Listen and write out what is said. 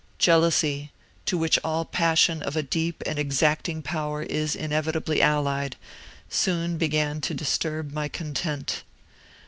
Jealousy, to which all passion of a deep and exacting power is inevitably allied, soon began to disturb my content.